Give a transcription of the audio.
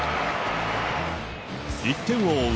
１点を追う